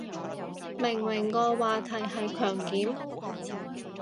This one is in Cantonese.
明明個話題係強檢